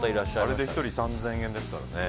あれで１人３０００円ですからね。